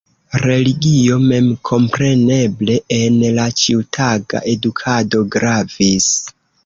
Religio memkompreneble en la ĉiutaga edukado gravis.